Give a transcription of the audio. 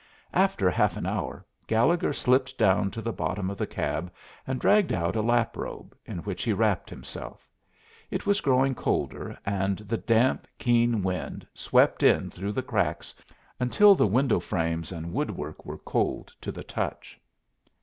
After half an hour Gallegher slipped down to the bottom of the cab and dragged out a lap robe, in which he wrapped himself. It was growing colder, and the damp, keen wind swept in through the cracks until the window frames and woodwork were cold to the touch.